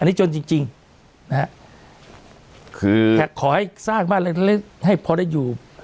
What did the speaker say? อันนี้จนจริงนะฮะแขกขอให้สร้างบ้านให้พอได้อยู่